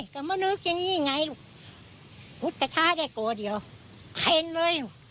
กะมะนึกอย่างงี้ไงลูกขุดกะชายได้โก่เดียวเผ็นเลยลูก